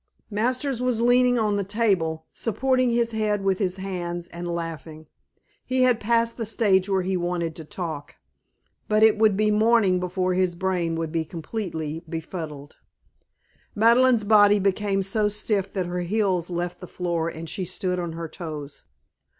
Masters was leaning on the table, supporting his head with his hands and laughing. He had passed the stage where he wanted to talk, but it would be morning before his brain would be completely befuddled. Madeleine's body became so stiff that her heels left the floor and she stood on her toes.